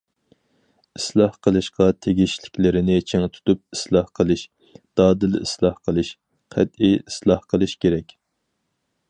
ئىسلاھ قىلىشقا تېگىشلىكلىرىنى چىڭ تۇتۇپ ئىسلاھ قىلىش، دادىل ئىسلاھ قىلىش، قەتئىي ئىسلاھ قىلىش كېرەك.